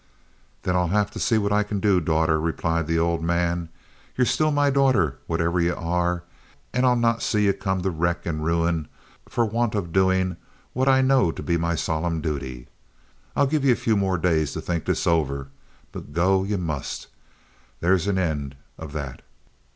"Then I'll have to see what I can do, daughter," replied the old man. "Ye're still my daughter, whatever ye are, and I'll not see ye come to wreck and ruin for want of doin' what I know to be my solemn duty. I'll give ye a few more days to think this over, but go ye must. There's an end of that.